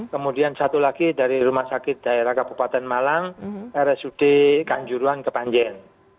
kemudian satu lagi dari rumah sakit daerah kabupaten malang rsud kanjuruan kepanjen